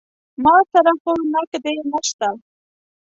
ما سره خو نقدې نه شته.